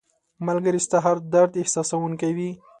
ملګری ستا هر درد احساسوونکی وي